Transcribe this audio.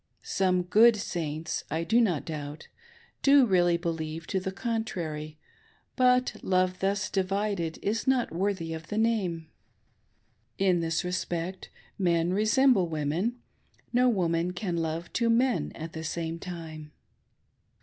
Some good Saints, I doubt not, do really believe to the contrary, but love thus divided is not worthy of the name. In this respect men resemble women, — no woman can love two men at the same time.